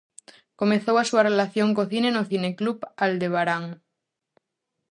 Comezou a súa relación co cine no Cineclub Aldebarán.